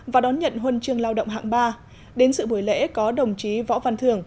và đón nhận huân chương lao động hạng ba đến sự buổi lễ có đồng chí võ văn thường